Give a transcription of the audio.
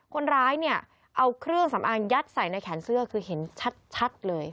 คนร้ายเนี่ยเอาเครื่องสำอางยัดใส่ในแขนเสื้อคือเห็นชัดเลย